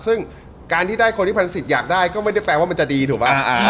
ซึ่งการที่ได้คนที่พันศิษย์อยากได้ก็ไม่ได้แปลว่ามันจะดีถูกไหม